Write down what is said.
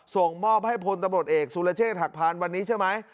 ส่งมอบให้พลตำรวจเอกสุรเชษฐหักพานวันนี้ใช่ไหม